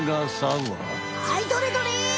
はいどれどれ？